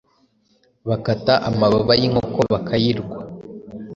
Bakata amababa yinkoko bakayirwa